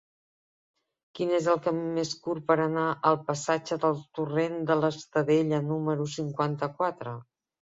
Quin és el camí més curt per anar al passatge del Torrent de l'Estadella número cinquanta-quatre?